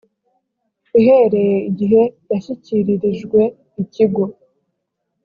uhereye igihe yashyikiririjwe ikigo